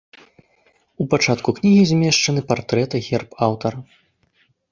У пачатку кнігі змешчаны партрэт і герб аўтара.